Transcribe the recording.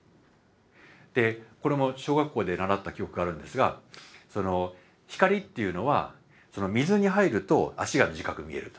でこれも小学校で習った記憶があるんですが光っていうのは水に入ると足が短く見えると。